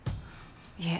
いえ。